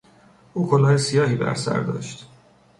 او کلاه سیاهی برسر داشت.